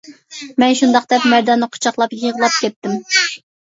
مەن شۇنداق دەپ مەرداننى قۇچاقلاپ يىغلاپ كەتتىم.